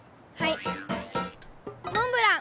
モンブラン！